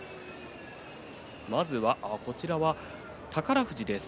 まずは、こちらは宝富士です。